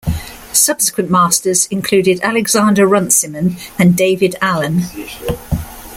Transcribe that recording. Subsequent masters included Alexander Runciman and David Allan.